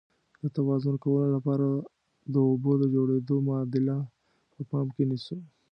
د توازن کولو لپاره د اوبو د جوړیدو معادله په پام کې نیسو.